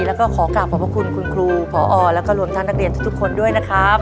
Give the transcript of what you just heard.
แล้วก็ขอกลับขอบพระคุณคุณครูพอแล้วก็รวมทั้งนักเรียนทุกคนด้วยนะครับ